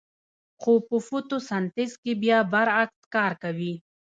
خو په فتوسنتیز کې بیا برعکس کار کوي